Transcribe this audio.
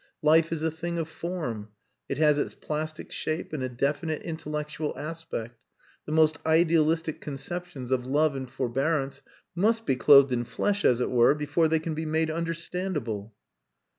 Life is a thing of form. It has its plastic shape and a definite intellectual aspect. The most idealistic conceptions of love and forbearance must be clothed in flesh as it were before they can be made understandable."